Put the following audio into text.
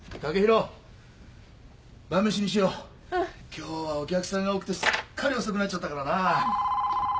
今日はお客さんが多くてすっかり遅くなっちゃったからな。